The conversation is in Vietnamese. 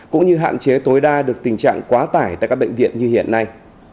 cũng như hạn chế tối đa được tình trạng quá tải tại các bệnh viện như hiện nay